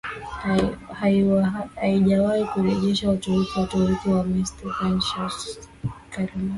haijawahi kurejeshwa Waturuki Waturuki wa Meskhetian Shors Chulyms